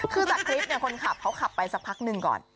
คือจากคลิปคนขับเขาขับไปสักพักหนึ่งก่อน